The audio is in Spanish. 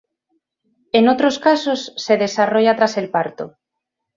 En otros casos se desarrolla tras el parto.